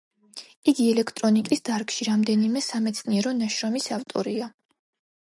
იგი ელექტრონიკის დარგში რამდენიმე სამეცნიერო ნაშრომის ავტორია.